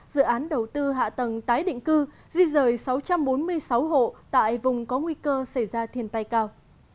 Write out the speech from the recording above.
dự án đầu tư hạ tầng tái định cư di rời sáu trăm bốn mươi sáu hộ tại vùng có nguy cơ xảy ra thiên tai cao